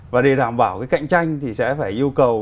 và để đảm bảo cái cạnh tranh thì sẽ phải yêu cầu